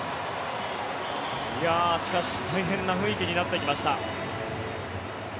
しかし、大変な雰囲気になってきました。